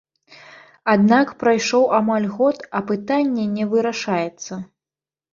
Аднак прайшоў амаль год, а пытанне не вырашаецца.